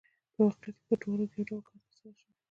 په واقعیت کې په دواړو یو ډول کار ترسره شوی